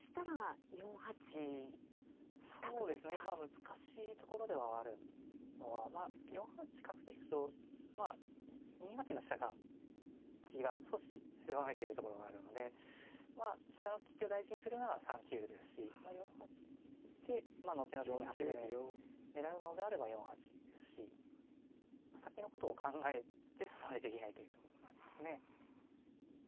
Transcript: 難しいところではあるのは４八角と引くと２八の飛車が利きが少し狭めているところがあるので飛車の利きを大事にするなら３九ですし４八引いて後々に端攻め狙うのであれば４八ですし先のことを考えて指さないといけないというところがありますね。